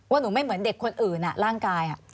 หนูไม่เหมือนเด็กคนอื่นร่างกาย